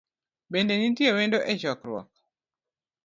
Bende nitie wendo e chokruok?